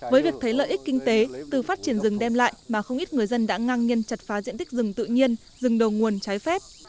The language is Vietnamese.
với việc thấy lợi ích kinh tế từ phát triển rừng đem lại mà không ít người dân đã ngang nhiên chặt phá diện tích rừng tự nhiên rừng đầu nguồn trái phép